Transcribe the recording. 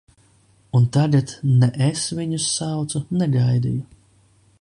Un tagad, ne es viņus saucu, ne gaidīju.